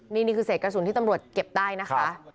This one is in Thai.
นี่คือเศษกระสุนที่ตำรวจเก็บได้นะคะ